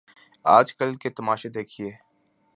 آج کل کے تماشے دیکھیے۔